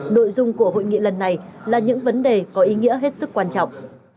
nội dung của hội nghị lần này là những vấn đề có ý nghĩa hết sức quan trọng